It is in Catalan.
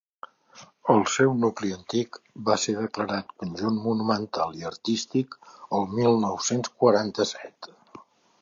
El seu nucli antic va ser declarat Conjunt Monumental i Artístic el mil nou-cents quaranta-set.